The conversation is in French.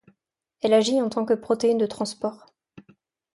Elle agit en tant que protéine de transport.